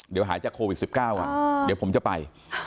เดี๋ยวหายจากโควิด๑๙ก่อนเดี๋ยวผมจะไป